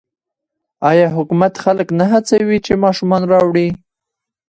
آیا حکومت خلک نه هڅوي چې ماشومان راوړي؟